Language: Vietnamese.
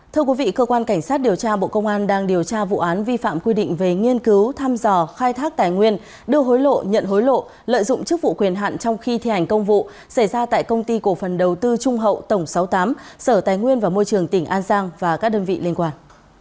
thưa quý vị cơ quan cảnh sát điều tra bộ công an đang điều tra vụ án vi phạm quy định về nghiên cứu thăm dò khai thác tài nguyên đưa hối lộ nhận hối lộ lợi dụng chức vụ quyền hạn trong khi thi hành công vụ xảy ra tại công ty cổ phần đầu tư trung hậu tổng sáu mươi tám sở tài nguyên và môi trường tỉnh an giang và các đơn vị liên quan